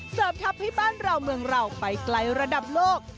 ทำให้บ้านเราเมืองเราไปไกลระดับโลก